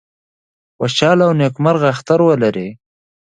خوشاله او نیکمرغه اختر ولرئ